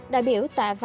đại biểu tạ văn hóa